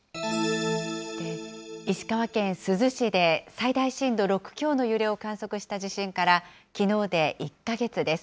石川県珠洲市で最大震度６強の揺れを観測した地震から、きのうで１か月です。